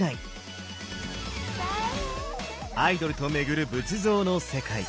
「アイドルと巡る仏像の世界」